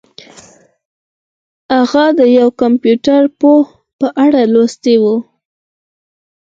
هغه د یو کمپیوټر پوه په اړه لوستي وو